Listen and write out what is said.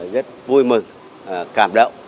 rất vui mừng cảm động